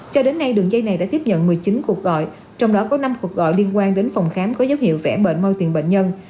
cho đến nay đường dây này đã tiếp nhận một mươi chín cuộc gọi trong đó có năm cuộc gọi liên quan đến phòng khám có dấu hiệu vẽ bệnh moi tiền bệnh nhân